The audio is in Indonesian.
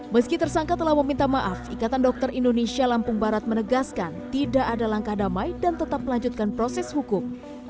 meski tersangka telah meminta maaf ikatan dokter indonesia lampung barat menegaskan tidak ada langkah damai dan tetap melanjutkan proses hukum